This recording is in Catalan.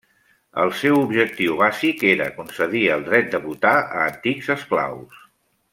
El seu objectiu bàsic era concedir el dret de votar a antics esclaus.